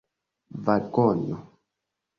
vagono